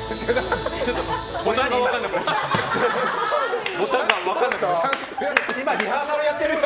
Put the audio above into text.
ボタンが分からなくなっちゃった。